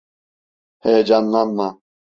Heyecanlanma.